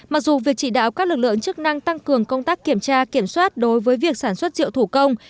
mặc dù việc chỉ đạo các lực lượng chức năng tăng cường công tác kiểm tra kiểm soát đối với việc sản xuất rượu thủ công